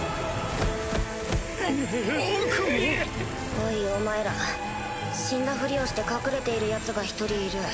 おいお前ら死んだふりをして隠れているヤツが１人いる。